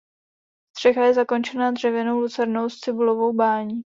Střecha je zakončena dřevěnou lucernou s cibulovou bání.